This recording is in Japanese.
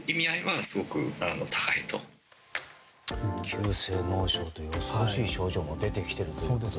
急性脳症という恐ろしい症状も出てきているということで。